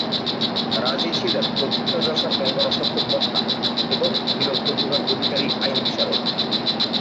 রাজী ছিলেন প্রথিতযশা ব্যঙ্গ রসাত্মক বক্তা এবং বিরল প্রতিভার অধিকারী আইন বিশারদ।